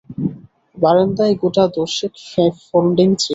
বারান্দায় গোটা দশেক ফোন্ডিং চেয়ার।